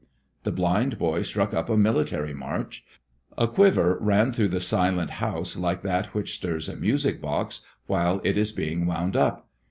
The blind boy struck up a military march. A quiver ran through the silent house like that which stirs a music box while it is being wound up.